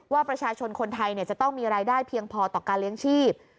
ว่าประชาชนคนไทยจะต้องมีรายได้เพียงพอต่อการเลี้ยงชีพ